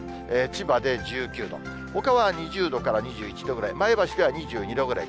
千葉で１９度、ほかは２０度から２１度ぐらい、前橋では２２度ぐらい。